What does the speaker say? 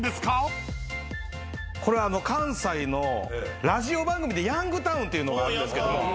これ関西のラジオ番組で『ヤングタウン』ってのがあるんですけど。